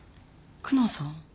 久能さん？